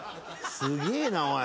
すげえなおい。